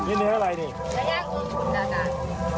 นี่เนี้ยอะไรเนี้ย